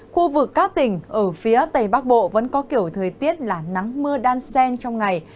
khu vực các tỉnh ở phía tây bắc bộ vẫn có kiểu thời tiết là nắng mưa đan sen trong ngày